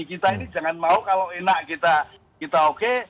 kita ini jangan mau kalau enak kita oke